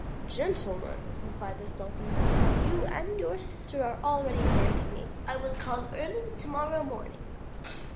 "Gentlemen,'' replied the sultan, "you and your sister are already dear to me. I will call early tomorrow morning."